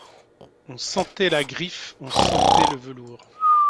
On sentait la griffe, on sentait le velours.